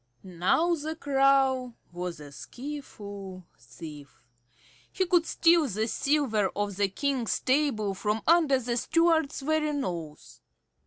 Now the Crow was a skilful thief. He could steal the silver off the King's table from under the steward's very nose.